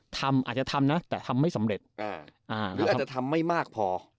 ทำอาจจะทำนะแต่ทำไม่สำเร็จหรืออาจจะทำไม่มากพอ